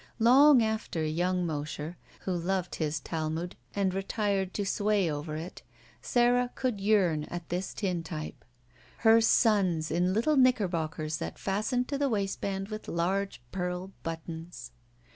Long after yotmg Mosher, who loved his Talmud, had retired to sway over it, Sara could yearn at this tintype. Her sons in little knickerbockers that fastened to the waistband with large pearl buttons!